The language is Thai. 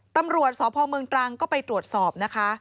ตำรวจสพเมืองตรังก็ไปตรวจสอบนะคะ